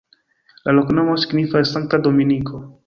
La loknomo signifas: sankta-Dominiko.